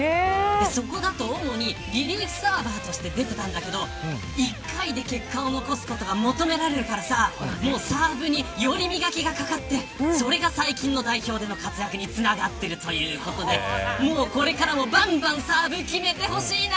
そこだと主にリリーフサーバーとして出てたんだけど１回で結果を残すことが求められるからさサーブに、より磨きがかかってそれが最近の代表での活躍につながっているということでこれからもばんばんサーブを決めてほしいな。